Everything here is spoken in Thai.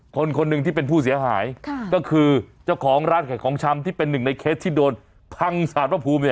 คนหนึ่งที่เป็นผู้เสียหายค่ะก็คือเจ้าของร้านขายของชำที่เป็นหนึ่งในเคสที่โดนพังสารพระภูมิเนี่ย